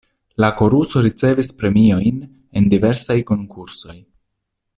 La koruso ricevis premiojn en diversaj konkursoj.